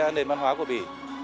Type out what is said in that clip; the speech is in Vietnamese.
nền văn hóa của bỉ